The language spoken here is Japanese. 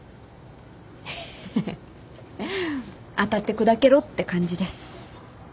ハハハ当たって砕けろって感じです。